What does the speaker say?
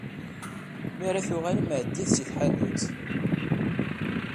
Mi ara tuɣalem, ɛeddit si tḥanut.